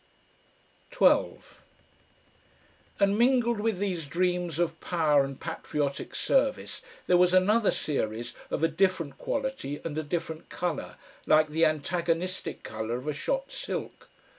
12 And mingled with these dreams of power and patriotic service there was another series of a different quality and a different colour, like the antagonistic colour of a shot silk.